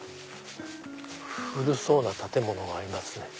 古そうな建物がありますね。